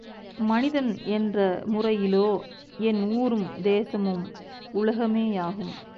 மனிதன் என்ற முறையிலோ என் ஊரும் தேசமும் உலகமேயாகும்.